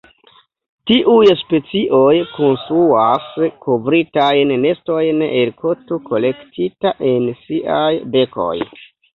Tiuj specioj konstruas kovritajn nestojn el koto kolektita en siaj bekoj.